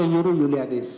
yang menyuruh julianis